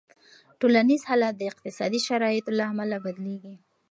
ټولنیز حالت د اقتصادي شرایطو له امله بدلېږي.